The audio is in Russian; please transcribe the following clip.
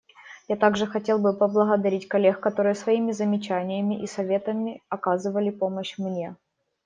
Я также хотел бы поблагодарить коллег, которые своими замечаниями и советами оказывали помощь мне.